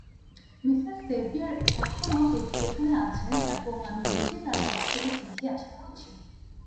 Mrs Sevier এখানও সেখানে আছেন এবং আমি রোজই তাঁর কাছ থেকে চিঠি আশা করছি।